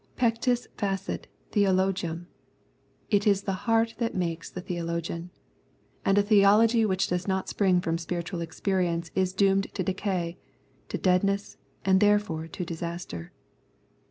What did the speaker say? Pectus facit theologum — it is the heart that makes the theologian ; and a theology which does not spring from spiritual experience is doomed to decay, to deadness, and therefore to disaster.